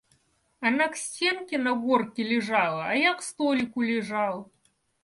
Она к стенке на горке лежала, а я к столику лежал.